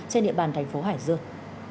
trên địa bàn thành phố hải dương